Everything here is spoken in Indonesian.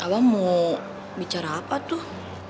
abang mau bicara apa tuh